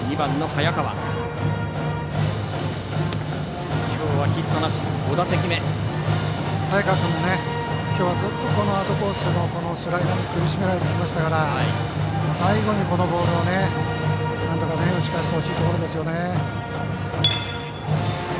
早川君も今日はずっとアウトコースのスライダーに苦しめられてきましたから最後に、このボールをなんとか打ち返してほしいですね。